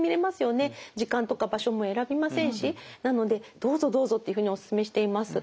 時間とか場所も選びませんしなのでどうぞどうぞっていうふうにおすすめしています。